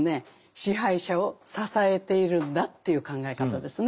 支配者を支えているんだという考え方ですね。